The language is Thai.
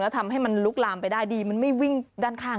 ทำให้มันลุกลามไปได้ดีมันไม่วิ่งด้านข้าง